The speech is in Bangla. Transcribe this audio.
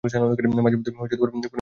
মাঝেমধ্যে ফোনে কথা বলতে পারব।